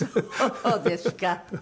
そうですか。